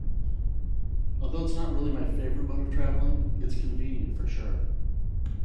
Although it is not really my favorite mode of traveling, it's convenient for sure.